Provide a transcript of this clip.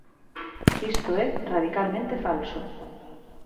Isto é radicalmente falso.